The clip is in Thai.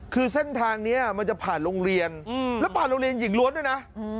คือเส้นทางนี้มันจะผ่านโรงเรียนแล้วผ่านโรงเรียนหญิงล้วนด้วยนะ